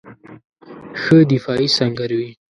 ښه دفاعي سنګر وي.